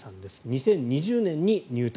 ２０２０年に入隊。